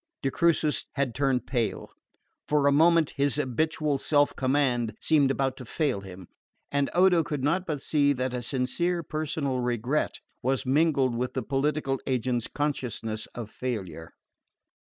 De Crucis had turned pale. For a moment his habitual self command seemed about to fail him; and Odo could not but see that a sincere personal regret was mingled with the political agent's consciousness of failure.